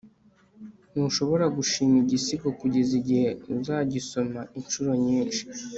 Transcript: ntushobora gushima igisigo kugeza igihe uzagisoma inshuro nyinshi